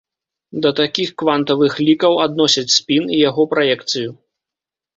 Да такіх квантавых лікаў адносяць спін і яго праекцыю.